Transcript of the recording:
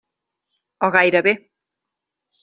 O gairebé.